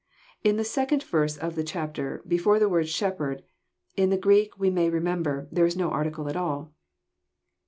In the second verse of the chapter, before the word " Shepherd," in the Greeks we may remember, there is no article at all.